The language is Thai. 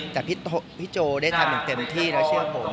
แต่พี่โจได้ทำอย่างเต็มที่แล้วเชื่อผม